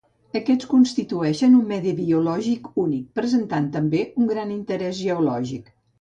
Aquests constitueixen un medi biològic únic, presentant també un gran interès geològic.